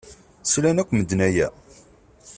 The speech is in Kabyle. Slan akk medden aya?